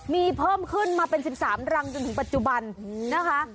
มีเพิ่มขึ้นมาเป็น๑๓รังจนถึงปัจจุบันนะคะ